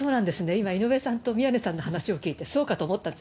今、井上さんと宮根さんの話を聞いてそうかと思ったんです。